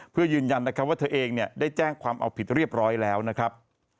เพื่อยืนยันนะครับว่าเธอเองได้แจ้งความเอาผิดเรียบร้อยแล้วนะครับ